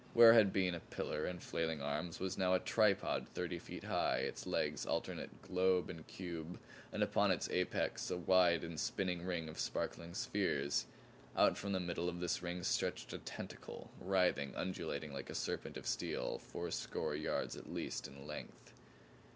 Where had been pillar and flailing arms was now a tripod thirty feet high, its legs alternate globe and cube and upon its apex a wide and spinning ring of sparkling spheres. Out from the middle of this ring stretched a tentacle writhing, undulating like a serpent of steel, four score yards at least in length.